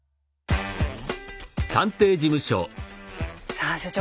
さあ所長